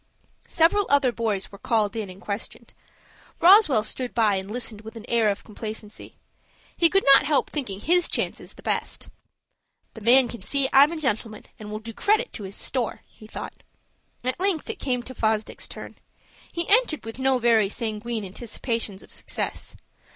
Several other boys were called in and questioned. Roswell stood by and listened with an air of complacency. He could not help thinking his chances the best. "The man can see I'm a gentleman, and will do credit to his store," he thought. At length it came to Fosdick's turn. He entered with no very sanguine anticipations of success.